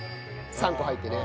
３個入ってね